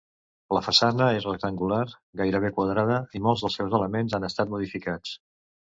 La façana és rectangular, gairebé quadrada, i molts dels seus elements han estat modificats.